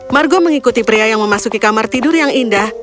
margo mengikuti pria yang memasuki kamar tidur yang indah